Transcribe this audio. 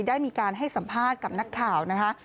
ได้มีการให้สัมภาษณ์กับนักข่าวนะคะ